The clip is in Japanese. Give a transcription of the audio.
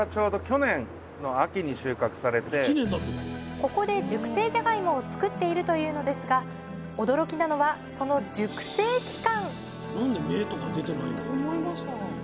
ここで熟成じゃがいもを作っているというのですが驚きなのはその熟成期間